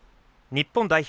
日本代表